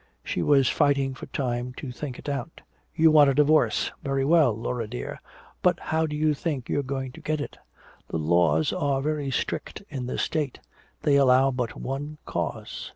She was fighting for time to think it out. "You want a divorce. Very well, Laura dear but how do you think you are going to get it? The laws are rather strict in this state. They allow but one cause.